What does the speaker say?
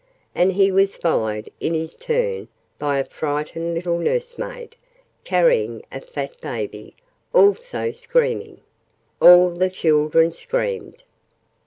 And he was followed, in his turn, by a frightened little nursemaid, carrying a fat baby, also screaming. All the children screamed.